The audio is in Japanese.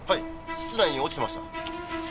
室内に落ちてました。